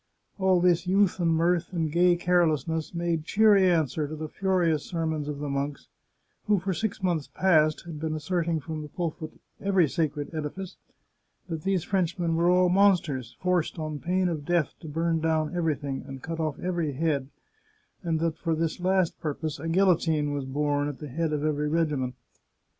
All this youth and mirth and gay carelessness made cheery answer to the furious sermons of the monks, who for six months past had been asserting from the pulpit of every sacred edifice that these Frenchmen were all monsters, forced, on pain of death, to burn down everything, and cut oflf every head, and that for this last purpose a guil lotine was borne at the head of every regiment.